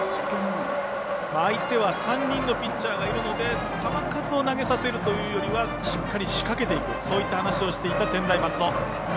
相手は３人のピッチャーがいるので球数を投げさせるというよりはしっかり仕掛けていくという話をしていた専大松戸。